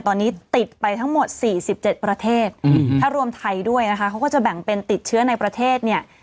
ตอนนี้ติดไปทั้งหมด๔๗ประเทศถ้ารวมไทยด้วยนะคะเขาก็จะแบ่งเป็นติดเชื้อในประเทศเนี่ย